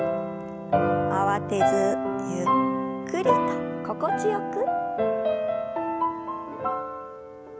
慌てずゆっくりと心地よく。